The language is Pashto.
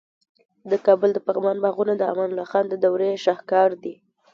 د کابل د پغمان باغونه د امان الله خان د دورې شاهکار دي